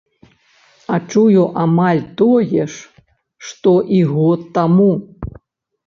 А чую амаль тое ж, што і год таму.